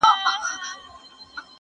o د زورور له څنگه مه کښېنه زړه وره!